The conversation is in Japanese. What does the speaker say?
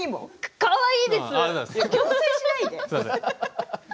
かわいいです。